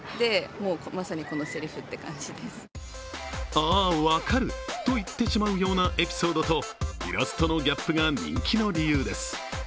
あー、分かるといって言ってしまうようなエピソードとイラストのギャップが人気の理由です。